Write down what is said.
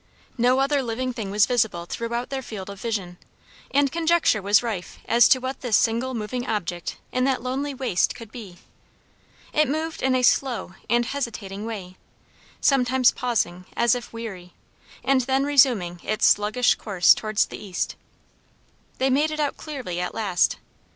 No other living thing was visible throughout their field of vision, and conjecture was rife as to what this single moving object in that lonely waste could be. It moved in a slow and hesitating way, sometimes pausing, as if weary, and then resuming its sluggish course towards the East. They made it out clearly at last.